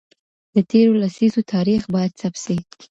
د تېرو لسیزو تاریخ باید ثبت سي.